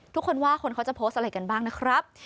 ทุกคนว่าคนเขาจะโพสต์อะไรกันบ้างนะครับ